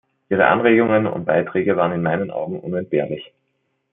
Ihre Anregungen und Beiträge waren in meinen Augen unentbehrlich.